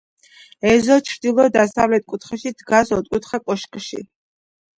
ეზოს ჩრდილო-დასავლეთ კუთხეში დგას ოთხკუთხა კოშკი.